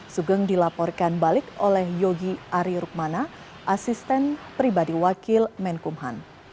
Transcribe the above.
sugeng dilaporkan balik oleh yogi ari rukmana asisten pribadi wakil menkumham